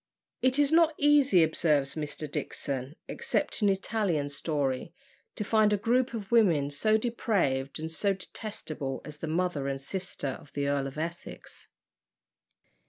It is not easy, observes Mr. Dixon, except in Italian story, to find a group of women so depraved and so detestable as the mother and sisters of the Earl of Essex.